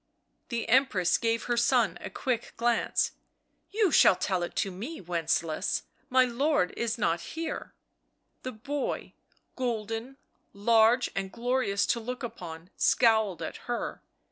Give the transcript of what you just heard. The Empress gave her son a quick glance. " You shall tell it to me, Wencelaus— my lord is not here." The boy, golden, large and glorious to look upon, scowled at her.